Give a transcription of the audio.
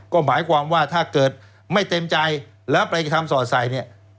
ก็หมายความว่าถ้าเกิดไม่เต็มใจแล้วไปทำสอดใส่เนี่ย